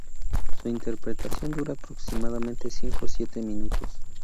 Su interpretación dura aproximadamente cinco o siete minutos.